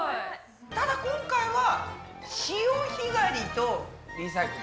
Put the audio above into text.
ただ今回は「潮干狩りとリサイクル」。